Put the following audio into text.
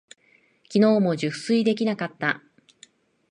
きのうも熟睡できなかった。